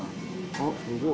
あっ、すごい。